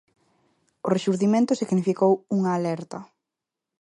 O Rexurdimento significou unha alerta.